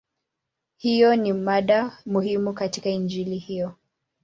Hiyo ni mada muhimu katika Injili hiyo.